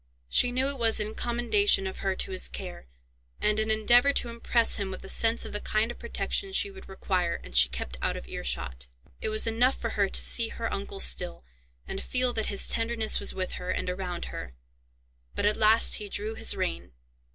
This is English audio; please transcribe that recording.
She knew it was in commendation of her to his care, and an endeavour to impress him with a sense of the kind of protection she would require, and she kept out of earshot. It was enough for her to see her uncle still, and feel that his tenderness was with her, and around her. But at last he drew his rein.